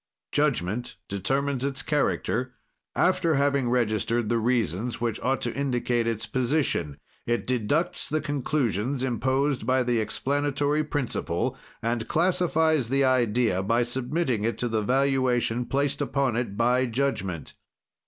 "Judgment determines its character after having registered the reasons which ought to indicate its position; it deducts the conclusions imposed by the explanatory principle, and classifies the idea by submitting it to the valuation placed upon it by judgment.